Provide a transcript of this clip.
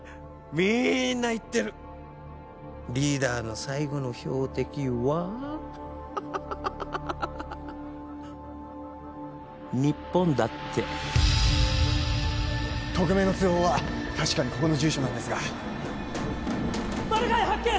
みんな言ってるリーダーの最後の標的はハハハハ日本だって匿名の通報は確かにここの住所なんですがマルガイ発見！